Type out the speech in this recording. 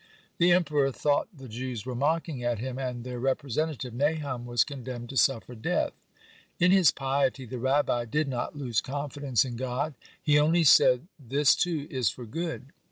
The Emperor thought the Jews were mocking at him, and their representative, Nahum, was condemned to suffer death. In his piety the Rabbi did not lose confidence in God; he only said: "This too is for good."